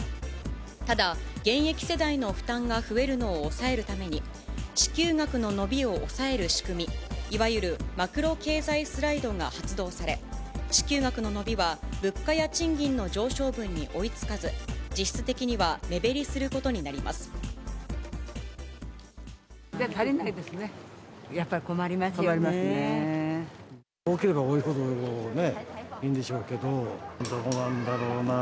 ただ現役世代の負担が増えるのを抑えるために、支給額の伸びを抑える仕組み、いわゆるマクロ経済スライドが発動され、支給額の伸びは物価や賃金の上昇分に追いつかず、実質的には目減りすることになります。